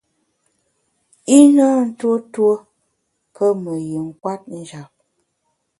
I na ntuo tuo pé me yin kwet njap.